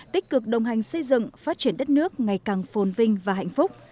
tích cực đồng hành xây dựng phát triển đất nước ngày càng phồn vinh và hạnh phúc